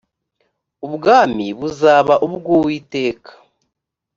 ubwami buzaba ubw uwiteka